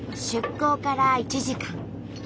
出港から１時間。